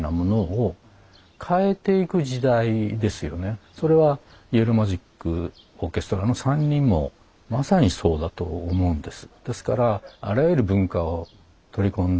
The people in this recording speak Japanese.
全てそのそれはイエロー・マジック・オーケストラの３人もまさにそうだと思うんです。